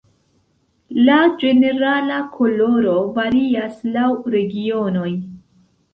La ĝenerala koloro varias laŭ regionoj.